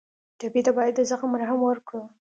ټپي ته باید د زخم مرهم ورکړو.